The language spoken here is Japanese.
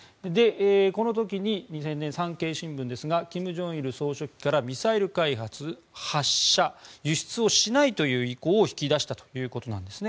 この時に産経新聞ですが金正日総書記からミサイル開発、発射輸出をしないという意向を引き出したというんですね。